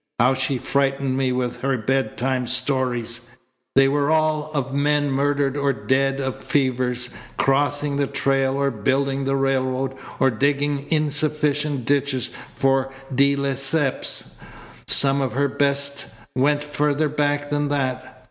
How she frightened me with her bedtime stories! They were all of men murdered or dead of fevers, crossing the trail, or building the railroad, or digging insufficient ditches for De Lesseps. Some of her best went farther back than that.